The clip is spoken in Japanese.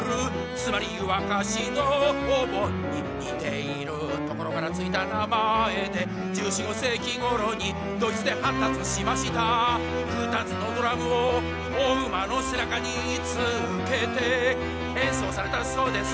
つまり湯沸かしのお盆に似ているところから付いた名前で１４１５世紀ごろにドイツで発達しました２つのドラムをお馬の背中につけて演奏されたそうです